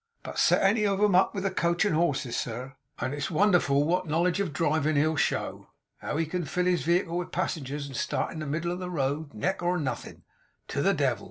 But set any on 'em up with a coach and horses, sir; and it's wonderful what a knowledge of drivin' he'll show, and how he'll fill his wehicle with passengers, and start off in the middle of the road, neck or nothing, to the Devil!